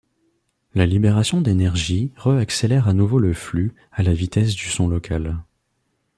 La libération d'énergie re-accélère à nouveau le flux à la vitesse du son locale.